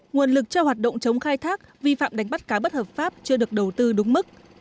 nguồn lực cho hoạt động chống khai thác vi phạm đánh bắt cá bất hợp pháp chưa được đầu tư đúng mức